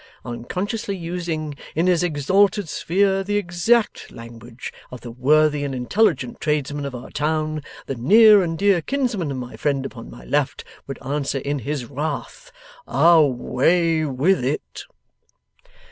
Unconsciously using, in his exalted sphere, the exact language of the worthy and intelligent tradesman of our town, the near and dear kinsman of my friend upon my left would answer in his wrath, "Away with it!"